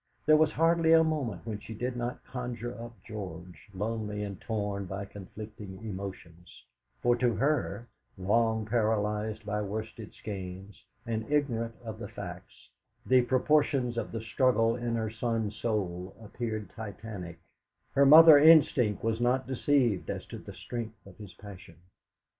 There was hardly a moment when she did not conjure up George, lonely and torn by conflicting emotions; for to her, long paralysed by Worsted Skeynes, and ignorant of the facts, the proportions of the struggle in her son's soul appeared Titanic; her mother instinct was not deceived as to the strength of his passion.